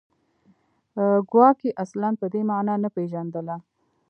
ګواکې اصلاً په دې معنا نه پېژندله